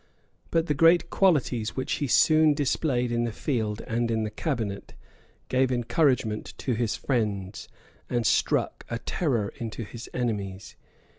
But the great qualities which he soon displayed in the field and in the cabinet, gave encouragement to his friends, and struck a terror into his enemies.